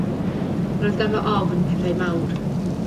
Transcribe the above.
Roedd ganddo ofn pethau mawr.